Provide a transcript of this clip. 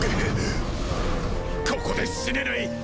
ここで死ねない！